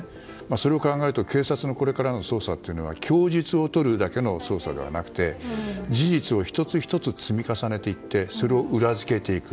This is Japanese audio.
それを考えると警察のこれからの捜査は供述を取るだけの捜査ではなくて事実を１つ１つ積み重ねていってそれを裏付けていく。